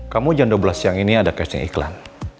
kamu jam dua belas siang ini ada cashnya iklan